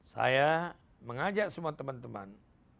saya mengajak semua teman teman